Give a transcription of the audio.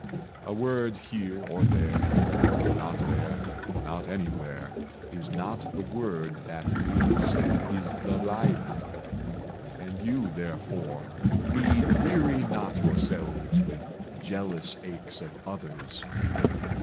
A word here, Or there, or not there, or not anywhere, Is not the Word that lives and is the life; And you, therefore, need weary not yourselves With jealous aches of others.